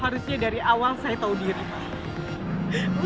harusnya dari awal saya tahu diri